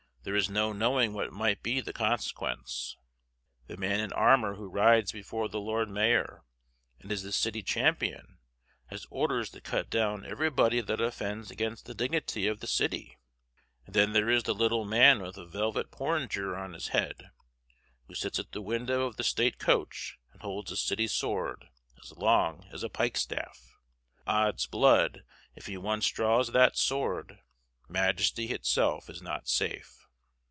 there is no knowing what might be the consequence. The man in armor who rides before the Lord Mayor, and is the city champion, has orders to cut down everybody that offends against the dignity of the city; and then there is the little man with a velvet porringer on his head, who sits at the window of the state coach and holds the city sword, as long as a pikestaff. Odd's blood! if he once draws that sword, Majesty itself is not safe.